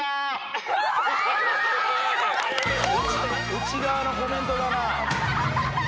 内側のコメントだな。